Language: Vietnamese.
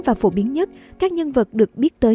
và phổ biến nhất các nhân vật được biết tới